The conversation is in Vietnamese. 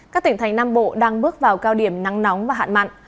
các tỉnh thành nam bộ đang bước vào cao điểm nắng nóng và hạn mặn